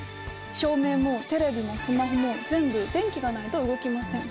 照明もテレビもスマホも全部電気がないと動きません。